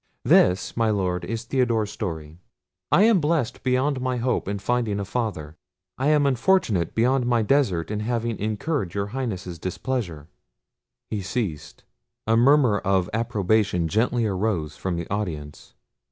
This, my Lord, is Theodore's story. I am blessed beyond my hope in finding a father; I am unfortunate beyond my desert in having incurred your Highness's displeasure." He ceased. A murmur of approbation gently arose from the audience.